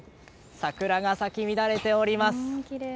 桜が咲き乱れております。